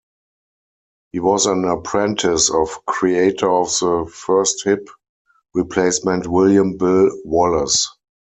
He was an apprentice of creator of the first hip replacement, William "Bill" Wallace.